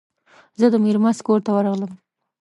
زه د میرمست کور ته ورغلم.